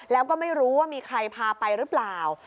แล้วก็ไม่รู้ว่ามีใครพาไปหรือเปล่า